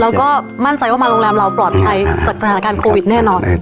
เราก็มั่นใจว่ามาโรงแรมเราปลอดภัยจากสถานการณ์โควิดแน่นอน